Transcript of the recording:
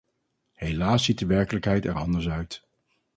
Helaas ziet de werkelijkheid er anders uit.